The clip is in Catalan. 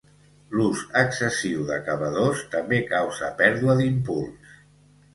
L'ús excessiu d'acabadors també causa pèrdua d'impuls.